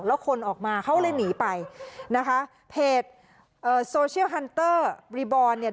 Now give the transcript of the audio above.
แล้วคนออกมาเขาเลยหนีไปนะคะเพจเอ่อโซเชียลฮันเตอร์บรีบอลเนี่ย